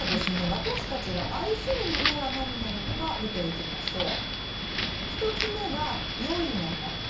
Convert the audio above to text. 私たちが愛するものは何なのか見ていきましょう。